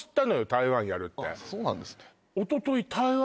台湾やるってあっそうなんですね